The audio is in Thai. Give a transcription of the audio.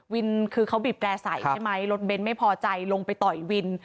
วินคือเขาบิบแก่ใสรถเบนต์ไม่พอใจลงไปต่อยวิน